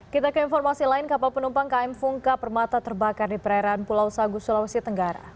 kita ke informasi lain kapal penumpang km fungka permata terbakar di perairan pulau sagu sulawesi tenggara